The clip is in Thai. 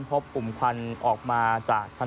พบกลุ่มควันออกมาจากชั้น